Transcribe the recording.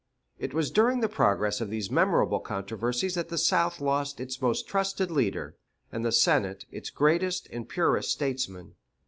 It was during the progress of these memorable controversies that the South lost its most trusted leader, and the Senate its greatest and purest statesman.